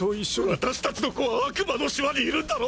私たちの子は悪魔の島にいるんだろ